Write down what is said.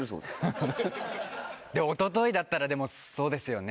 ハハおとといだったらでもそうですよね。